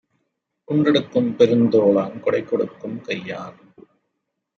குன்றெடுக்கும் பெருந்தோளான் கொடைகொடுக்கும் கையான்!